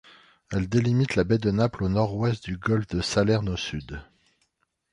Elle délimite la baie de Naples au nord-ouest du golfe de Salerne au sud.